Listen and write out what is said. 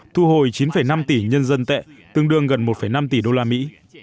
thu hồi chín năm tỷ nhân dân tệ tương đương gần một năm tỷ đô la mỹ